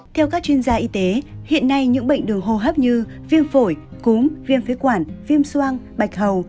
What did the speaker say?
theo các chuyên gia y tế hiện nay những bệnh đường hô hấp như viêm phổi cúm viêm phế quản viêm soang bạch hầu